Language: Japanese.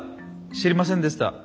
知りませんでした。